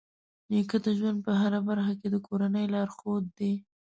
نیکه د ژوند په هره برخه کې د کورنۍ لارښود دی.